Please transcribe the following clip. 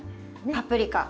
パプリカ。